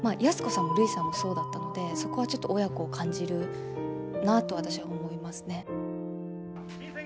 安子さんもるいさんもそうだったのでそこはちょっと親子を感じるなと私は思いますね。